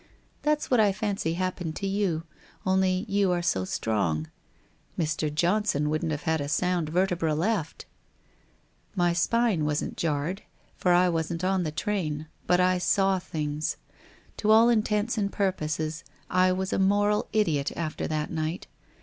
That's what I fancy happened to you, only you are so strong. Mr. Johnson wouldn't have had a sound vertebra left ! My spine wasn't jarred, for I wasn't on the train, but I saw things. To all intents and purposes I was a moral idiot after that night.